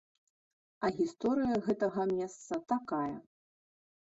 А гісторыя гэтага месца такая.